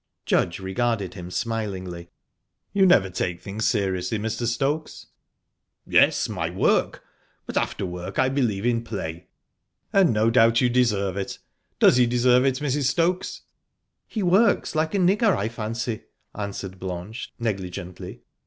Judge regarded him smilingly. "You never take things seriously, Mr. Stokes?" "Yes, my work. But after work I believe in play." "And no doubt you deserve it. Does he deserve it, Mrs. Stokes?" "He works like a nigger, I fancy," answered Blanche, negligently.